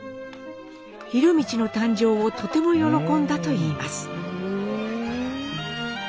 博通の誕生をとても喜んだといいます。